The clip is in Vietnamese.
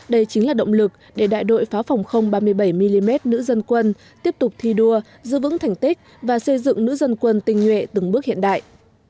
đây chính là động lực để đại đội pháo phòng không ba mươi bảy mm nữ dân quân tiếp tục thi đua giữ vững thành tích và xây dựng nữ dân quân tình nguyện từng bước hiện đại